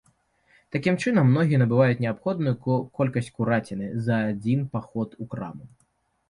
Такім чынам многія набываюць неабходную колькасць кураціны за адзін паход у краму.